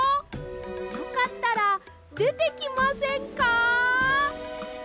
よかったらでてきませんか？